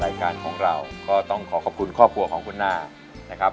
รายการของเราก็ต้องขอขอบคุณครอบครัวของคุณนานะครับ